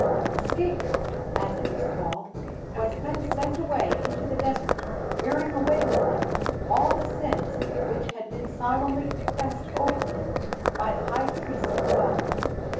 The scape goat (as it was called), was then sent away into the desert, bearing away with him all the sins which had been solemnly confessed over him by the high priest of God.